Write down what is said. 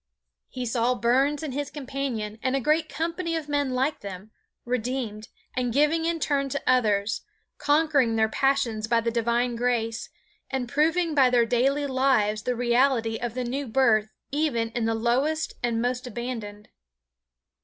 He saw Burns and his companion and a great company of men like them, redeemed and giving in turn to others, conquering their passions by the divine grace, and proving by their daily lives the reality of the new birth even in the lowest and most abandoned.